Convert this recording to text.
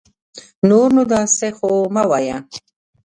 نور نو داسي خو مه وايه